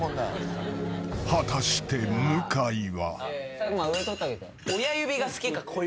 ［果たして向井は］